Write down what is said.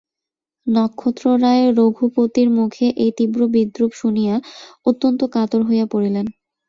নক্ষত্ররায় রঘুপতির মুখে এই তীব্র বিদ্রূপ শুনিয়া অত্যন্ত কাতর হইয়া পড়িলেন।